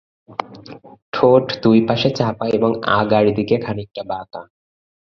ঠোঁট দুই পাশে চাপা এবং আগার দিকে খানিকটা বাঁকা।